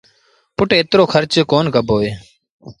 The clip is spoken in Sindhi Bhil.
پُٽ ايترو کرچ ڪونا ڪبو اهي۔